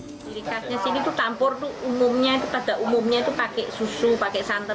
jadi khasnya sini itu tampor itu umumnya pada umumnya itu pakai susu pakai santan